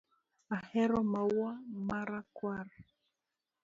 Ahero maua ma rakwar